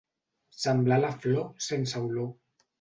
Semblar la flor sense olor.